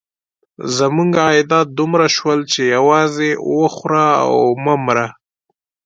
زموږ عایدات دومره شول چې یوازې وخوره او مه مره.